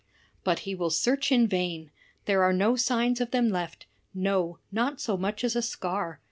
But he will search in vain; there are no signs of them left; no, not so much as a scar.